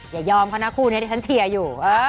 อย่ายอมเขานะคู่นี้ที่ฉันเชียร์อยู่